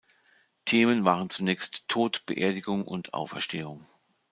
Themen waren zunächst Tod, Beerdigungen und Auferstehung.